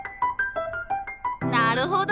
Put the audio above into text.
なるほど！